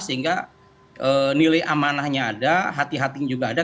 sehingga nilai amanahnya ada hati hati juga ada